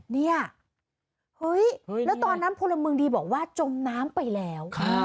เนี่ยเฮ้ยแล้วตอนนั้นพลเมืองดีบอกว่าจมน้ำไปแล้ว